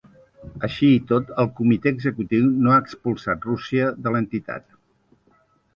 Així i tot, el comitè executiu no ha expulsat Rússia de l’entitat.